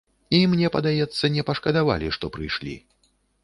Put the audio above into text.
І, мне падаецца, не пашкадавалі, што прыйшлі.